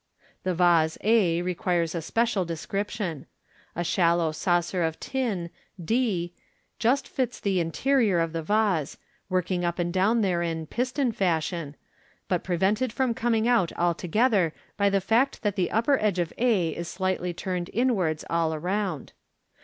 The vase a requires a special description A shallow saucer of tin, d, just fits the interior of the vase, working up and down therein piston fashion, but prevented from coming out alto gether by the fact that the upper edge of a is slightly turned in wards all round.